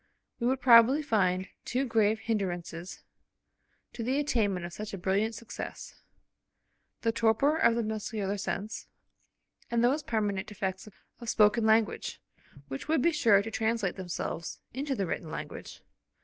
We would probably find two grave hinderances to the attainment of such a brilliant success: the torpor of the muscular sense, and those permanent defects of spoken language, which would be sure to translate themselves into the written language.